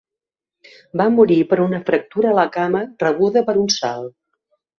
Va morir per una fractura a la cama rebuda per un salt.